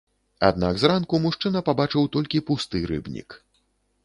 Аднак зранку мужчына пабачыў толькі пусты рыбнік.